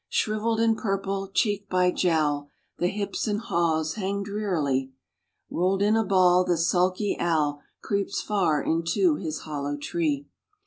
Shrivell'd and purple, cheek by jowl, The hips and haws hang drearily; Roll'd in a ball the sulky owl Creeps far into his hollow tree.